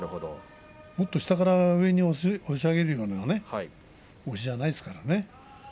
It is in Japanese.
もっと下から上に押し上げるような押しではないですね。